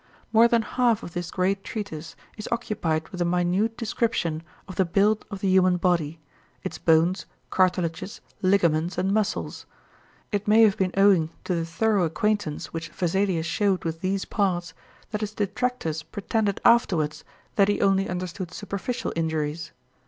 More than half of this great treatise is occupied with a minute description of the build of the human body its bones, cartilages, ligaments, and muscles. It may have been owing to the thorough acquaintance which Vesalius showed with these parts that his detractors pretended afterwards that he only understood superficial injuries.